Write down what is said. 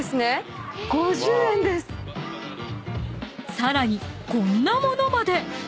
［さらにこんな物まで］